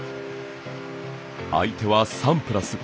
相手はサンプラス。